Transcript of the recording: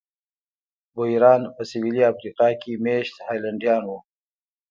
بویران په سوېلي افریقا کې مېشت هالنډیان وو.